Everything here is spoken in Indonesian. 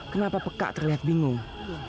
kenapa pekak terlihat bingung